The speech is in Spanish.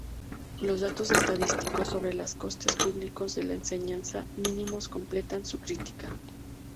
Los datos estadísticos sobre los costes públicos de la enseñanza -mínimos- completan su crítica.